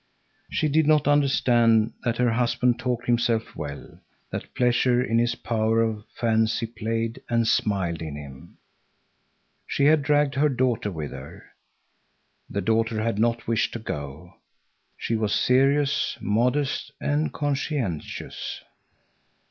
She did not understand that her husband talked himself well, that pleasure in his power of fancy played and smiled in him. She had dragged her daughter with her. The daughter had not wished to go. She was serious, modest, and conscientious.